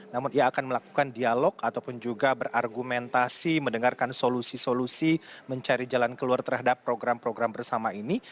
namun ia akan melakukan dialog ataupun juga berargumentasi mendengarkan solusi solusi mencari jalan keluar terhadap program program bersama ini